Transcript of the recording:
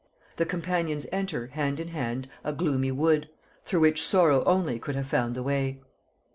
The companions enter, hand in hand, a gloomy wood, through which Sorrow only could have found the way.